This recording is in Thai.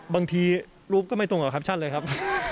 บางทีรูปก็ไม่ตรงกับแคปชั่นเลยครับ